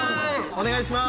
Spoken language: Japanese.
お願いします。